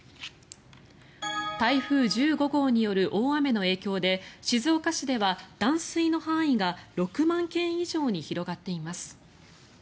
台風１５号による大雨の影響で静岡市では断水の範囲が６万軒以上に広がっています。